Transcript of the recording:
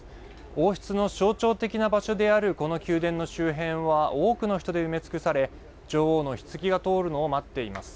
王室の象徴的な場所であるこの宮殿の場所は多くの人で埋め尽くされ女王のひつぎが通るのを待っています。